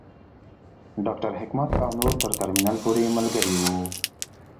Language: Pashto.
ډاکټر حکمت او نور تر ترمینل پورې ملګري وو.